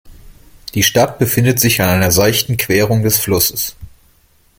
Die Stadt befindet sich an einer seichten Querung des Flusses.